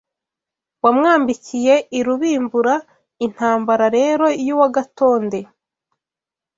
Wa mwambikiye i Rubimbura intambara rero y’uwa Gatonde